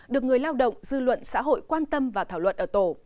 được người lao động dư luận xã hội quan tâm và thảo luận ở tổ